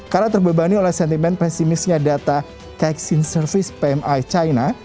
karena terbebani oleh sentimen pesimisnya data kaixin service pmi china